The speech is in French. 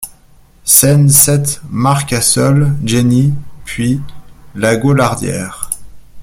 Scène sept Marcassol, Jenny puis Lagaulardière.